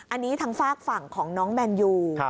อันนี้ทางฝากฝั่งของน้องแมนยู